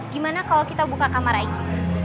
gimana kalau kita buka kamar aja